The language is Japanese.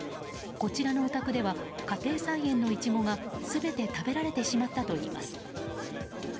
こちらのお宅では家庭菜園のイチゴが全て食べられてしまったといいます。